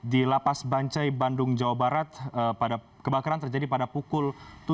di lapas bancai bandung jawa barat kebakaran terjadi pada pukul tujuh tiga puluh